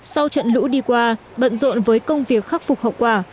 sau trận lũ đi qua bận rộn với công việc khắc phục hậu quả